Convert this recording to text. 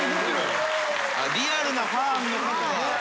リアルなファンの方が。